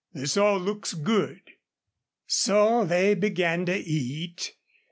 This all looks good." So they began to eat.